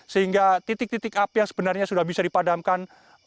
sehingga titik titik api yang sebenarnya sudah bisa dipadamkan